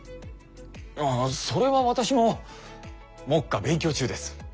ああそれは私も目下勉強中です。